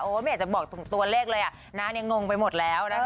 ไม่อยากจะบอกตัวเลขเลยอ่ะน้าเนี่ยงงไปหมดแล้วนะคะ